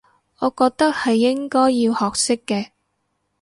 我覺得係應該要學識嘅